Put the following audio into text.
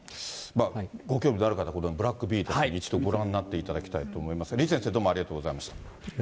ご興味のある方、このブラックヴィーナス、一度ご覧になっていただきたいと思いますが、李先生、どうもありありがとうございました。